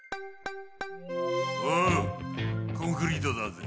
おうコンクリートだぜ。